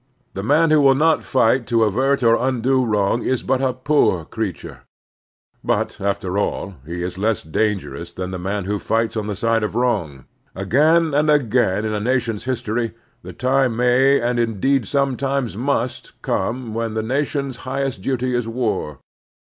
The man who will not fight to avert or undo wrong is but a poor creature ; but, after all, he is less dangerous than the man who fights on the side of wrong. Again and again in a nation's history the time may, and indeed some times must, come when the nation's highest duty is war.